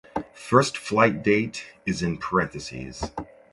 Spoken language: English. First flight date is in parentheses.